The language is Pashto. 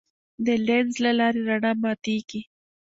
د لینز له لارې رڼا ماتېږي.